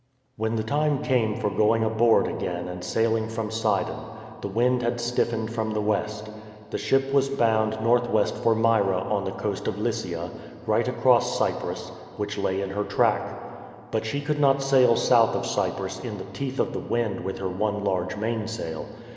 When the time came for going aboard again and sailing from Sidon, the wind had stiffened from the west. The ship was bound northwest for Myra on the coast of Lycia, right across Cyprus, which lay in her 321 322 FINISHING THE COURSE track. But she could not sail south of Cyprus in the teeth of the wind with her one large mainsail.